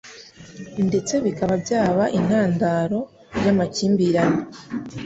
ndetse bikaba byaba n'intandaro y'amakimbirane